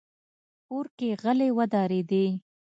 کور کې غلې ودرېدې.